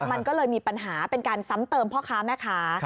มันก็เลยมีปัญหาเป็นการซ้ำเติมพ่อค้าแม่ค้า